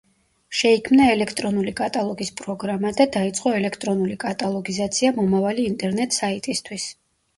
შეიქმნა ელექტრონული კატალოგის პროგრამა და დაიწყო ელექტრონული კატალოგიზაცია მომავალი ინტერნეტ–საიტისთვის.